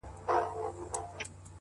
پوهه د تیروتنو شمېر راکموي!